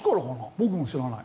僕も知らない。